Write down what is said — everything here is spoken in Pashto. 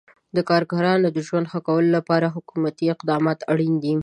د کارګرانو د ژوند ښه کولو لپاره حکومتي اقدامات اړین دي.